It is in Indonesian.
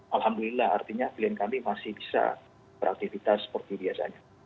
alhamdulillah artinya klien kami masih bisa beraktivitas seperti biasanya